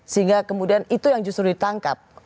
sehingga kemudian itu yang justru ditangkap